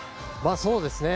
そうですね。